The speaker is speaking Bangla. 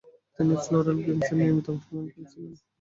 তিনি ফ্লোরাল গেমসের নিয়মিত অংশগ্রহণকারী ছিলেন।